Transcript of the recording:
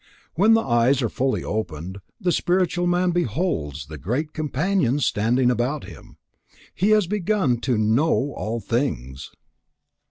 When the eyes are fully opened, the spiritual man beholds the great Companions standing about him; he has begun to "know all things."